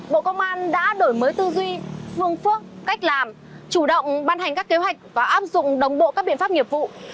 bộ công an đã đổi mới tư duy phương phước cách làm chủ động ban hành các kế hoạch và áp dụng đồng bộ các biện pháp nghiệp vụ